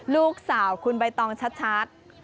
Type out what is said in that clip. ลูกสาวคุณใบตองชัด